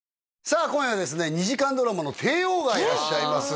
さあ今夜は２時間ドラマの帝王がいらっしゃいます